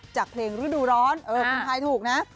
จากเพลงฤดูร้อนคุณทายถูกนะ